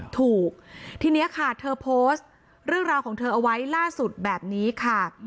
ถูกทีนี้ค่ะเธอโพสต์เรื่องราวของเธอเอาไว้ล่าสุดแบบนี้ค่ะ